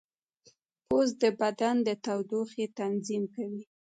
پوست د بدن د تودوخې تنظیم کوي.